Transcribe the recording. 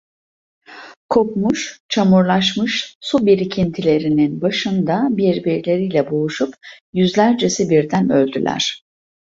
Kokmuş, çamurlaşmış su birikintilerinin başında, birbirleriyle boğuşup, yüzlercesi birden öldüler.